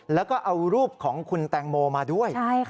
แล้วก็เอารูปของคุณแตงโมมาด้วย